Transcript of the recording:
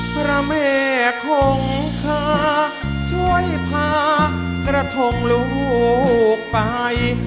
พระแม่คงคาช่วยพากระทงลูกไป